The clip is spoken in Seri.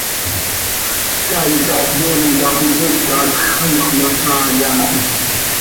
Caay cap yeen cap ipocaat x, anxö ma saai haa hi.